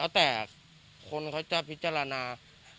แล้วแต่คนคือพิจารณา